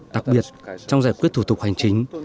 đặc biệt trong giải quyết thủ tục hoành chính